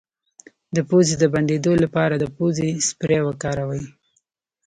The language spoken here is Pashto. د پوزې د بندیدو لپاره د پوزې سپری وکاروئ